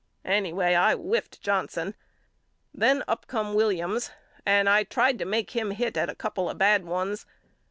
Anyway I whiffed John ston. Then up come Williams and I tried to make him hit at a couple of bad ones.